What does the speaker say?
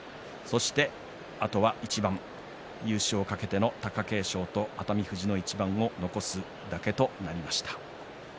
あとは一番、優勝を懸けての貴景勝と熱海富士の一番を残すだけとなりました。